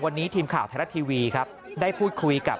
วันนี้ทีมข่าวไทยรัฐทีวีครับได้พูดคุยกับ